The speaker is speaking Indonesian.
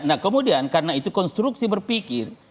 nah kemudian karena itu konstruksi berpikir